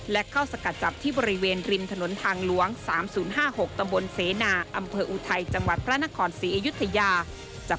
และเข้าสกัดจับที่บริเวณริมถนนทางหลวง๓๐๕๖ตำบลเสนาอำเภออุทัยจังหวัดพระนครศรีอยุธยา